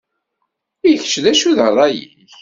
I kečč d acu d rray-ik?